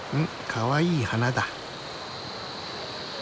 かわいい花だ。